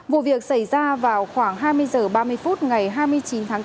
vụ việc xảy ra vào khoảng hai mươi h ba mươi phút ngày hai mươi chín tháng bốn